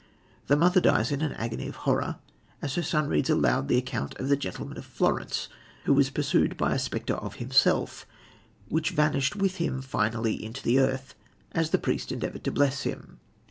The mother dies in an agony of horror, as her son reads aloud the account of the Gentleman of Florence, who was pursued by a spectre of himself, which vanished with him finally into the earth, as the priest endeavoured to bless him.